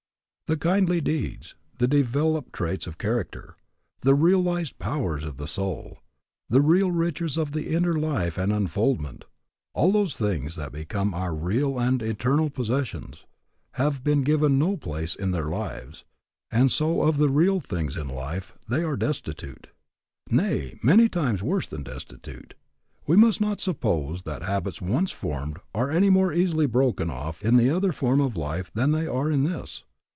The kindly deeds, the developed traits of character, the realized powers of the soul, the real riches of the inner life and unfoldment, all those things that become our real and eternal possessions, have been given no place in their lives, and so of the real things of life they are destitute. Nay, many times worse than destitute. We must not suppose that habits once formed are any more easily broken off in the other form of life than they are in this.